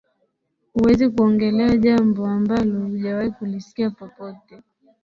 huwezi kuongelea jaambo ambalo hujawahi kulisikia popote